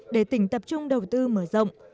để tỉnh tập trung đầu tư mở rộng